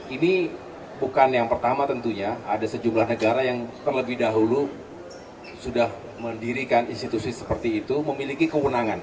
ini bukan yang pertama tentunya ada sejumlah negara yang terlebih dahulu sudah mendirikan institusi seperti itu memiliki kewenangan